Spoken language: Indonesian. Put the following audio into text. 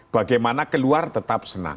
bagaimana keluar tetap senang